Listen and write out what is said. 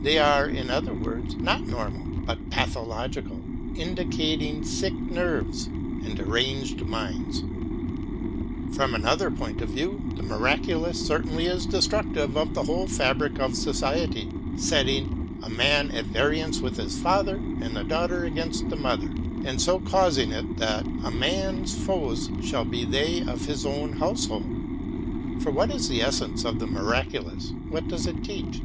They are, in other words, not normal, but pathological, in dicating sick nerves and deranged minds. From another point of view, the miraculous cer tainly is destructive of the whole fabric of society, setting a man at variance with his father, and the daughter against the mother,*' and so causing it that "a man's foes shall be they of his own house hold." For what is the essence of the miraculous, what does it teach?